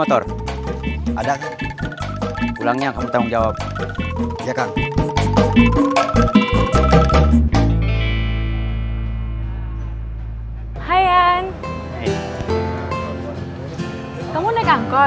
kok duluan nyampe